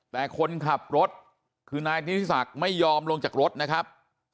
แต่คนขับรถคือนายธิศักดิ์ไม่ยอมลงจากรถนะครับ